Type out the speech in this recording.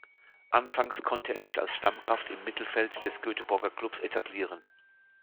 Anfangs konnte er sich als Stammkraft im Mittelfeld des Göteborger Klubs etablieren.